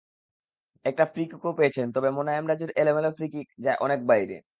একটা ফ্রি-কিকও পেয়েছেন, তবে মোনায়েম রাজুর এলোমেলো ফ্রি-কিক যায় অনেক বাইরে।